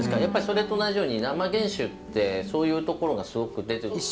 やっぱりそれと同じように生原酒ってそういうところがすごく出てくる。